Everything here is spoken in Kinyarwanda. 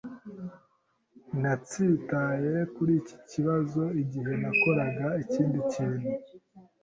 Natsitaye kuri iki kibazo igihe nakoraga ikindi kintu.